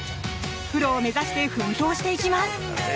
プロを目指して奮闘していきます！